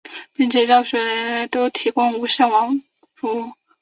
并且教学楼内都有提供免费无线网络服务。